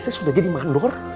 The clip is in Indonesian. saya sudah jadi mandor